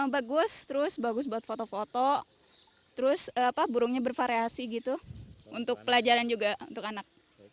bagus terus bagus buat foto foto terus burungnya bervariasi gitu untuk pelajaran juga untuk anak